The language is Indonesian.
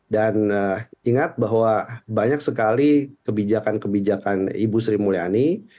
dan ingat bahwa banyak sekali kebijakan kebijakan ibu sri mulyani